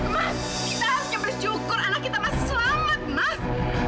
mas kita harusnya bersyukur anak kita masih selamat mas